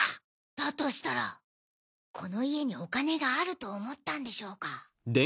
だとしたらこの家にお金があると思ったんでしょうか？